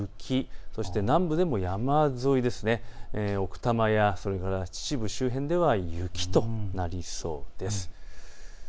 そして南部でも山沿い、奥多摩やそれから秩父周辺では雪となりそうです。